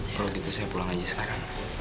perlu gitu saya pulang aja sekarang